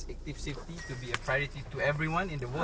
เป็นความสำคัญของทุกคน